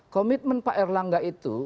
komitmen pak erlangga itu